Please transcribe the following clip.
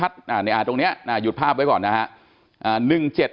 ตรงนี้หยุดภาพไว้ก่อนนะฮะ